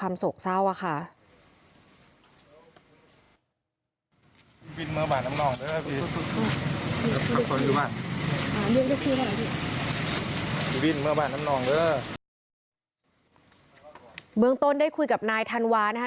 เมืองต้นได้คุยกับนายธันวานะคะ